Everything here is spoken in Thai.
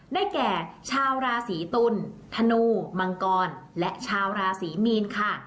ได้แก่ชาวราศีตุลธนูมังกรและชาวราศรีมีนค่ะ